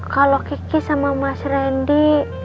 kalau kiki sama mas randy